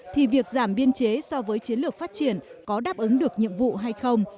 thì việc giảm biên chế so với chiến lược phát triển có đáp ứng được nhiệm vụ hay không